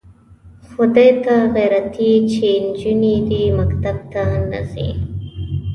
خو دې ته غیرتي یې چې نجونې دې مکتب ته نه ځي.